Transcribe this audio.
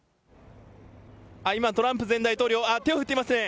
今、トランプ前大統領、あっ、手を振っていますね。